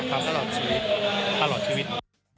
เท่าที่วิทย์